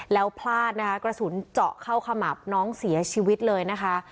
แล้วพลาดนะคะกระสุนเจาะเข้าขมับน้องเสียชีวิตเลยนะคะ